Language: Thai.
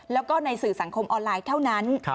แล้วก็ในสื่อสังคมออนไลน์เท่านั้น